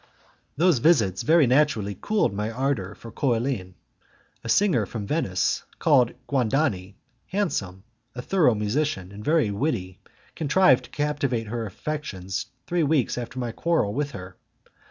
Those visits very naturally cooled my ardour for Coraline. A singer from Venice, called Guadani, handsome, a thorough musician, and very witty, contrived to captivate her affections three weeks after my quarrel with her.